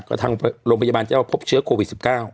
ก็ทางโรงพยาบาลเจ้าพบเชื้อโควิด๑๙